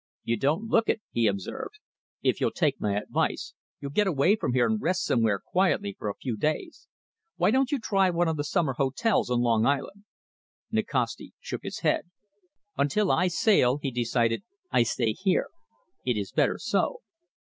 "You don't look it," he observed. "If you'll take my advice, you'll get away from here and rest somewhere quietly for a few days. Why don't you try one of the summer hotels on Long Island?" Nikasti shook his head. "Until I sail," he decided, "I stay here. It is better so."